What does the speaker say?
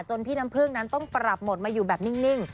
พี่น้ำพึ่งนั้นต้องปรับหมดมาอยู่แบบนิ่ง